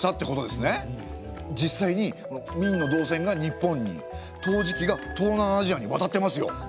実際に明の銅銭が日本に陶磁器が東南アジアに渡ってますよ！